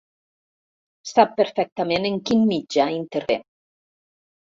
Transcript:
Sap perfectament en quin mitjà intervé.